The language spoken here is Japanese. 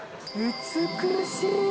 美しい。